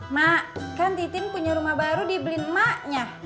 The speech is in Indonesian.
mak kan titin punya rumah baru di belin maknya